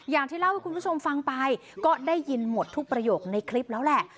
อย่างที่เล่าให้คุณผู้ชมฟังไปก็ได้ยินหมดทุกประโยคในคลิปแล้วแหละ